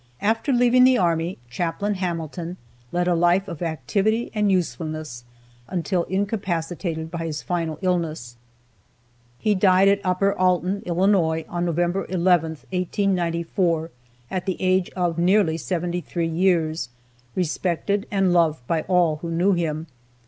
After leaving the army, Chaplain Hamilton led a life of activity and usefulness until incapacitated by his final illness. He died at Upper Alton, Illinois, on November 11th, 1894, at the age of nearly seventy three years, respected and loved by all who knew him.